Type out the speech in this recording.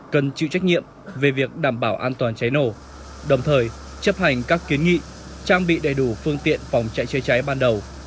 cần chịu trách nhiệm về việc đảm bảo an toàn cháy nổ đồng thời chấp hành các kiến nghị trang bị đầy đủ phương tiện phòng cháy chữa cháy ban đầu